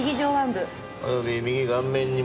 および右顔面にも切創。